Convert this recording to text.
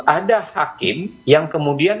ada hakim yang kemudian